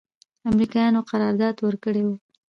امریکایانو قرارداد ورکړی و.